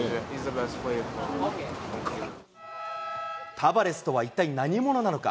タバレスとは一体何者なのか。